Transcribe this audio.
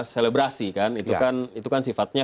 selebrasi kan itu kan sifatnya